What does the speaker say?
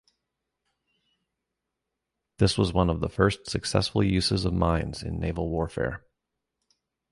This was one of the first successful uses of mines in naval warfare.